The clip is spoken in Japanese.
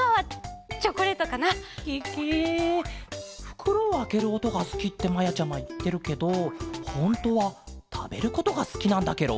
ふくろをあけるおとがすきってまやちゃまいってるけどほんとはたべることがすきなんだケロ？